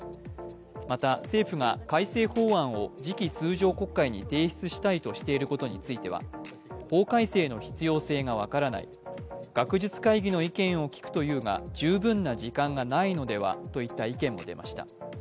また、政府が改正法案を次期通常国会に提出したいとしていることについては法改正の必要性が分からない、学術会議の意見を聞くというが十分な時間がないのではといった意見も出ました。